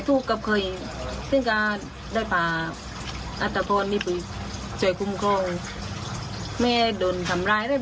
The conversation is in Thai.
วางแผ้นได้ยังไงอาจได้กันก็หลุดเจ้าเข่า